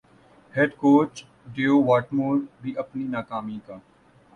head coach Dav Whatmore بھی اپنی ناکامی کا